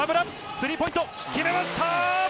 スリーポイント、決めました。